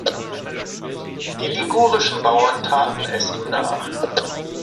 Die ligurischen Bauern taten es ihm nach.